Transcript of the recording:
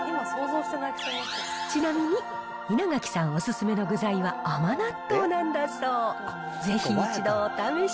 ちなみに、稲垣さんお勧めの具材は甘納豆なんだそう。